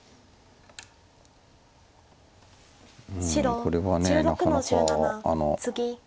これはなかなか。